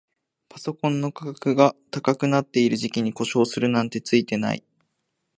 パソコンの価格が高くなってる時期に故障するなんてツイてない